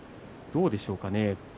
どうでしょうか？